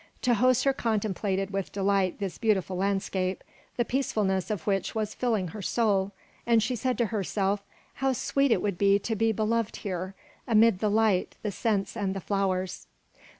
Tahoser contemplated with delight this beautiful landscape, the peacefulness of which was filling her soul, and she said to herself, "How sweet it would be to be beloved here, amid the light, the scents, and the flowers."